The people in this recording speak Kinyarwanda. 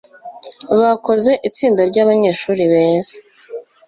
bakoze itsinda ry'abanyeshuri beza